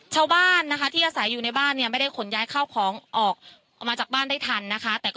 ชาวบ้านนะคะที่อาศัยอยู่ในบ้านเนี่ยไม่ได้ขนย้ายข้าวของออกมาจากบ้านได้ทันนะคะ